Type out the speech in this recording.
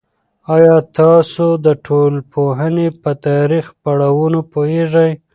ایا تاسو د ټولنپوهنې په تاریخي پړاوونو پوهیږئ؟